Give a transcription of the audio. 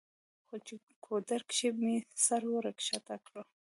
خو چې ګودر کښې مې سر ورښکته کړو